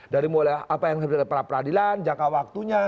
dari mulai apa yang sebenarnya pra peradilan jangka waktunya